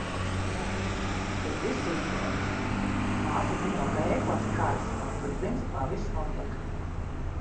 Bet viss izdodas. Māsa ziņo, ka e-klase "karas", bet principā viss notiek.